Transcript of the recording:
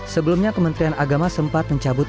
sebelumnya kementerian agama sempat mencabut